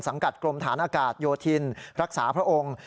กรมฐานอากาศโยธินรักษาพระองค์